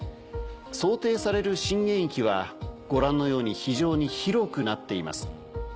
想定される震源域はご覧のように非常に広くなっています。